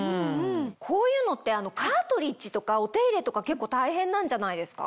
こういうのってカートリッジとかお手入れとか結構大変なんじゃないですか？